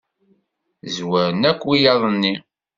Zwaren akk wiyaḍ-nni.